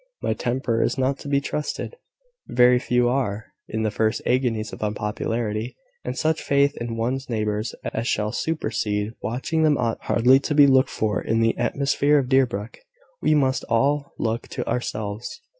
My temper is not to be trusted." "Very few are, in the first agonies of unpopularity; and such faith in one's neighbours as shall supersede watching them ought hardly to be looked for in the atmosphere of Deerbrook. We must all look to ourselves."